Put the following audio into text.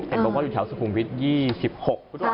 เห็นบอกว่าอยู่แถวสกุลวิทยี่สิบหก